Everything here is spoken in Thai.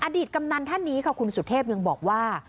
กำนันท่านนี้ค่ะคุณสุเทพยังบอกว่า